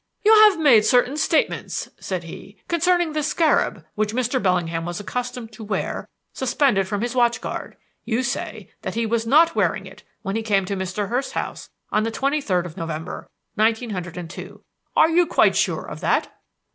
"You have made certain statements," said he, "concerning the scarab which Mr. Bellingham was accustomed to wear suspended from his watch guard. You say that he was not wearing it when he came to Mr. Hurst's house on the twenty third of November, nineteen hundred and two. Are you quite sure of that?"